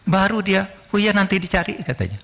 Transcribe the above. baru dia oh iya nanti dicari katanya